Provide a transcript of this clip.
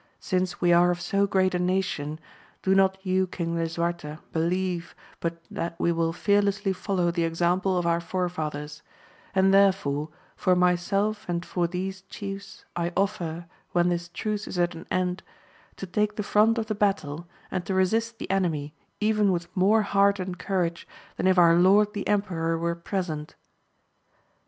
Since we are of so great a nation, do not you King Lisuarte believe^ but that we will fearlessly follow the example of our forefathers : and therefore, for myself anrj for these chiefs I offer, when this truce is at an end/ to take the front of the battle, and to resist the enemU^ even with more heart and courage than if our lord {the emperor were present.